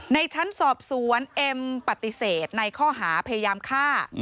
ในชั้นสอบสวนเอ็มปฏิเสธในข้อหาพยายามฆ่า